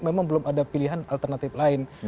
memang belum ada pilihan alternatif lain